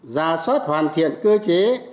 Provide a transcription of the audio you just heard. giả soát hoàn thiện cơ chế